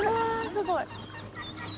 すごい。